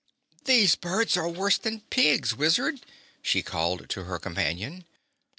"These birds are worse than pigs, Wizard," she called to her companion.